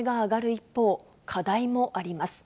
一方、課題もあります。